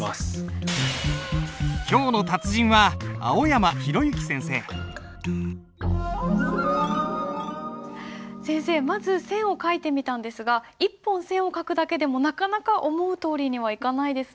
今日の達人は先生まず線を書いてみたんですが一本線を書くだけでもなかなか思うとおりにはいかないですね。